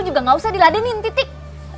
juga gak usah diladenin titik